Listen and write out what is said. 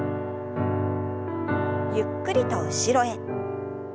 ゆっくりと後ろへ。